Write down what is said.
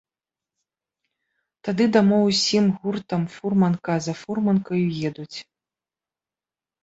Тады дамоў усім гуртам фурманка за фурманкаю едуць.